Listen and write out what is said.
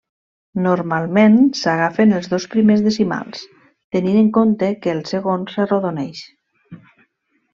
Normalment, s'agafen els dos primers decimals, tenint en compte que el segon s'arrodoneix.